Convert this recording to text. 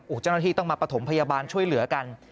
เจ้าหน้าที่ต้องมาประถมพยาบาลช่วยเหลือกัน